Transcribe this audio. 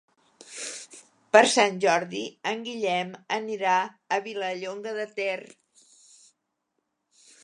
Per Sant Jordi en Guillem anirà a Vilallonga de Ter.